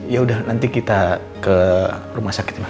ya udah nanti kita ke rumah sakit ya pak